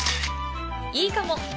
いいかも！